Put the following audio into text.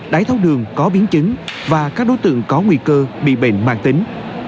đái tháo đường có biến chứng và các đối tượng có nguy cơ bị bệnh mạng tính